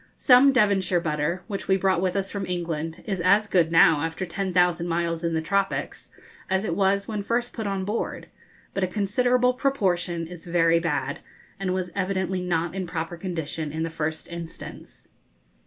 Some Devonshire butter, which we brought with us from England, is as good now, after ten thousand miles in the tropics, as it was when first put on board; but a considerable proportion is very bad, and was evidently not in proper condition in the first instance.